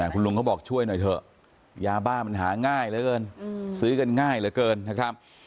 คุณลุงเขาบอกช่วยหน่อยเถอะยาบ้ามันห่าง่ายเหล้อเอิญซื้อเยอะก็นะครับ